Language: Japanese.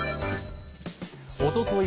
おととい